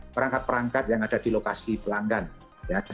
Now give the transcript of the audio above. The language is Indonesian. perangkat perangkat yang ada di lokasi pelanggan